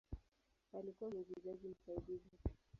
Alikuwa mwigizaji msaidizi.